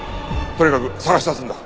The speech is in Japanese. とにかく捜し出すんだ！